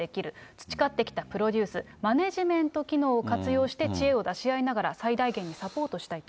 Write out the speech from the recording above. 培ってきたプロデュース、マネジメント機能を活用して、知恵を出し合いながら最大限にサポートしたいと。